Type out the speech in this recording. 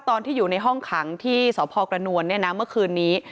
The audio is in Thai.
ตอนที่อยู่ในห้องขังที่สพกระนวลเนี่ยนะเมื่อคืนนี้